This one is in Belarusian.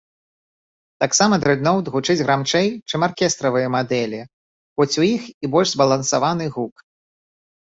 Таксама дрэдноўт гучыць грамчэй, чым аркестравыя мадэлі, хоць у іх і больш збалансаваны гук.